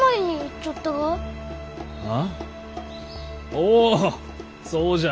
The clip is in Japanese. おおそうじゃ！